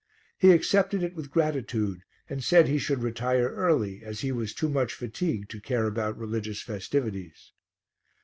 He accepted it with gratitude and said he should retire early as he was too much fatigued to care about religious festivities.